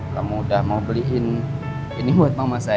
kamu udah mau beliin ini buat mama saya